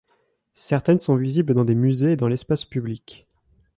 Certaines sont visibles dans des musées et dans l'espace public.